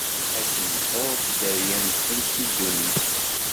Ad temḥuḍ dderya-nsen si ddunit.